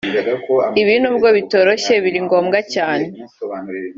ibi nubwo bitoroshye biri ngombwa cyane